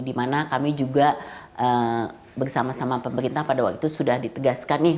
dimana kami juga bersama sama pemerintah pada waktu itu sudah ditegaskan nih